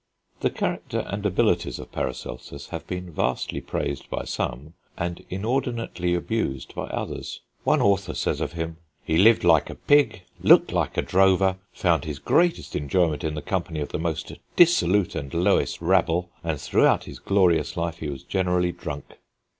The character and abilities of Paracelsus have been vastly praised by some, and inordinately abused by others. One author says of him: "He lived like a pig, looked like a drover, found his greatest enjoyment in the company of the most dissolute and lowest rabble, and throughout his glorious life he was generally drunk."